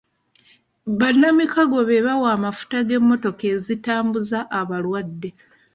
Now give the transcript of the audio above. Bannamikago be bawa amafuta g'emottoka ezitambuza abalwadde.